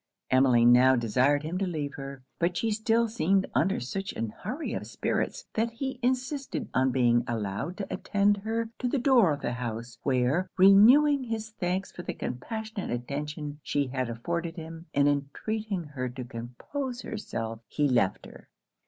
Emmeline now desired him to leave her. But she still seemed under such an hurry of spirits, that he insisted on being allowed to attend her to the door of the house, where, renewing his thanks for the compassionate attention she had afforded him, and entreating her to compose herself, he left her.